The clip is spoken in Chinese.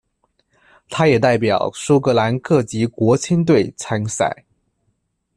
他也代表苏格兰各级国青队参赛。